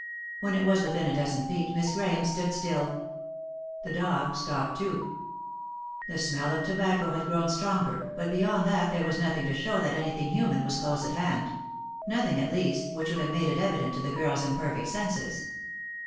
When it was within a dozen feet Miss Grahame stood still ; the dog stopped too. The smell of tobacco had grown stronger, but beyond that there was nothing to show that anything human was close at hand; nothing, at least, which would have made it evident to the girl's imperfect senses.